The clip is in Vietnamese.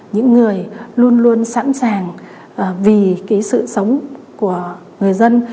những người luôn luôn sẵn sàng vì cái sự sống của người dân